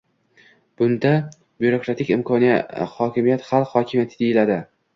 bunda byurokratik hokimiyat – xalq hokimiyati deyiladi;